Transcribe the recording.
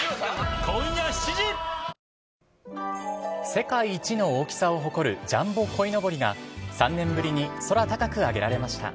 世界一の大きさを誇るジャンボこいのぼりが、３年ぶりに空高く上げられました。